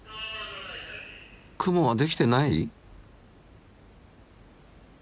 雲はできてない？